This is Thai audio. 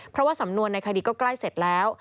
เพราะว่าสำนวนในคดีก็ใกล้เสร็จแล้ว